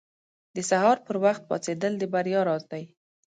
• د سهار پر وخت پاڅېدل د بریا راز دی.